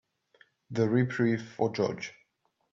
The reprieve for George.